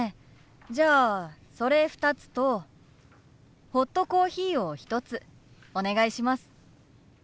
じゃあそれ２つとホットコーヒーを１つお願いします。